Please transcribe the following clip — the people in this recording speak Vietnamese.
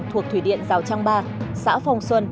thuộc thủy điện giáo trang ba xã phong xuân